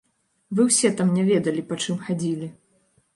Вы ўсе там не ведалі, па чым хадзілі.